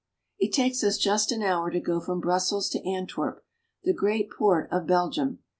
It takes us just an hour to go from Brussels to Antwerp, the great port of Belgium.